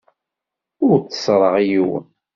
Ur tteṣṣreɣ yiwen.